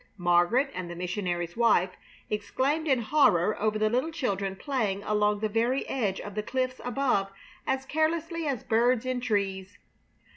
Margaret and the missionary's wife exclaimed in horror over the little children playing along the very edge of the cliffs above as carelessly as birds in trees.